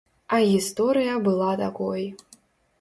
А гісторыя была такой.